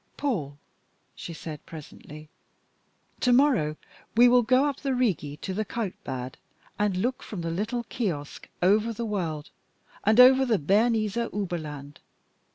"Paul," she said presently, "to morrow we will go up the Rigi to the Kaltbad, and look from the little kiosk over the world, and over the Bernese Oberland.